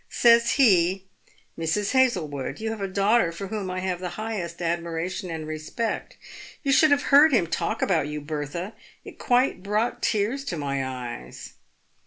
Says he, f Mrs. Hazlewood, you have a daughter for whom I have the highest admiration and respect.' You should have heard him talk about you, Bertha, it quite brought tears to my eyes.